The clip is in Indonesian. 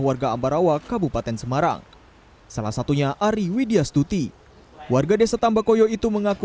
warga ambarawa kabupaten semarang salah satunya ari widya stuti warga desa tambakoyo itu mengaku